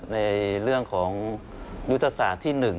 ในเรื่องของยุทธศาสตร์ที่๑